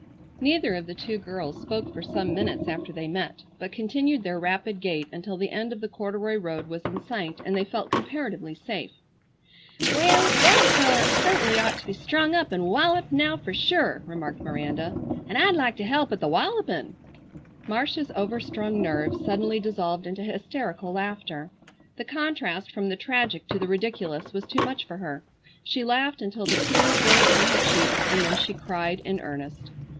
Neither of the two girls spoke for some minutes after they met, but continued their rapid gait, until the end of the corduroy road was in sight and they felt comparatively safe. "Wal, that feller certainly ought to be strung up an' walluped, now, fer sure," remarked Miranda, "an I'd like to help at the wallupin'." Marcia's overstrung nerves suddenly dissolved into hysterical laughter. The contrast from the tragic to the ridiculous was too much for her. She laughed until the tears rolled down her cheeks, and then she cried in earnest.